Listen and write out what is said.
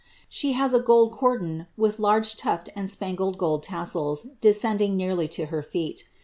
She has a gold cordon, with large tufled and spangled gold tassels descending nearly to her feet.